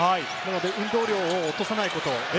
運動量を落とさないこと。